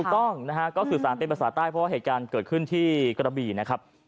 ถูกต้องนะฮะก็สื่อสารเป็นภาษาใต้เพราะว่าเหตุการณ์เกิดขึ้นที่กระบี่นะครับ